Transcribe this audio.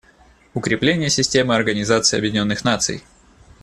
Укрепление системы Организации Объединенных Наций.